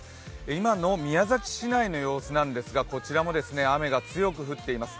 今の宮崎市内の様子ですが、こちらも雨が強く降っています。